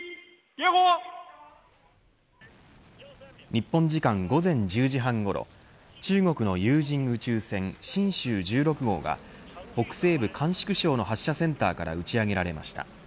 日本時間午前１０時半ごろ中国の有人宇宙船、神舟１６号が北西部甘粛省の発射センターから打ち上げられました。